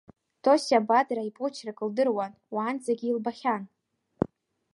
Тосиа Бадра ипочерк лдыруан, уаанӡагьы илбахьан.